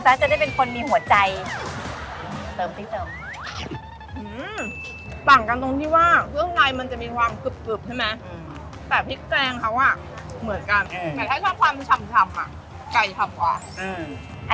แต่พริกแจงเขาอะเหมือนกันแต่ให้ความชำอะไก่ชำกว่า